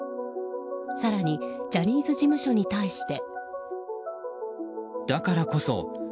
更にジャニーズ事務所に対して。